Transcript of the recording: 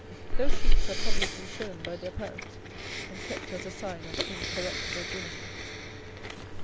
Those sheets are publicly shown by their parents, and kept as a sign of incorrupt virginity.